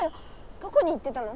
どこに行ってたの？